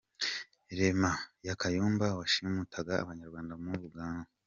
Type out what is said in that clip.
Rugema Kayumba washimutaga abanyarwanda muri Uganda